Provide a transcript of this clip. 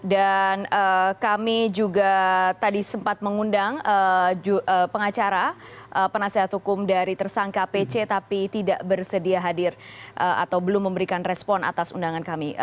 dan kami juga tadi sempat mengundang pengacara penasihat hukum dari tersangka pc tapi tidak bersedia hadir atau belum memberikan respon atas undangan kami